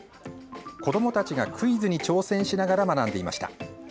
子どもたちがクイズに挑戦しながら学んでいました。